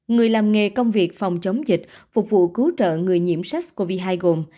người làm nghề công việc phòng chống dịch phục vụ cứu trợ người nhiễm sars cov hai gồm